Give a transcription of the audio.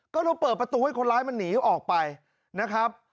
ก็เลยเปิดประตูให้คนร้ายมันหนีออกไปนะครับ